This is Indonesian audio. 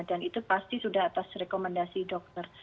dan itu pasti sudah atas rekomendasi dokter